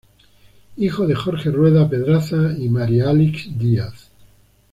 Hijo de Jorge Rueda Pedraza y María Alix Diaz.